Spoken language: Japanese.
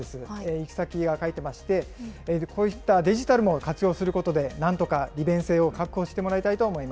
行き先が書いてありまして、こういったデジタルも活用することで、なんとか利便性を確保してもらいたいと思い